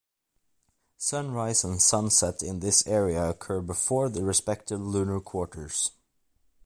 Sunrise and sunset in this area occur before the respective lunar quarters.